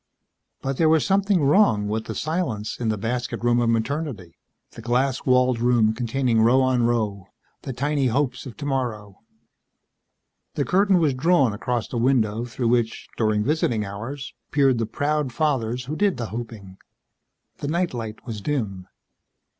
But there was something wrong with the silence in the "basket room" of Maternity, the glass walled room containing row on row, the tiny hopes of tomorrow. The curtain was drawn across the window through which, during visiting hours, peered the proud fathers who did the hoping. The night light was dim.